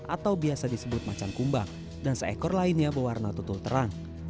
atau biasa disebut macan kumbang dan seekor lainnya berwarna tutul terang